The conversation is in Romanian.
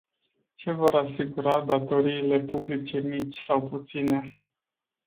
Ce vor asigura datoriile publice mici sau puține?